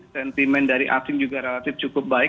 sentimen dari asing juga relatif cukup baik